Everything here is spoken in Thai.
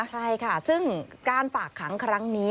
ใช่ค่ะซึ่งการฝากขังครั้งนี้